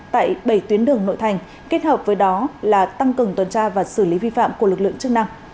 tại bảy tuyến đường nội thành kết hợp với đó là tăng cường tuần tra và xử lý vi phạm của lực lượng chức năng